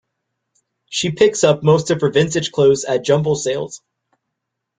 She picks up most of her vintage clothes at jumble sales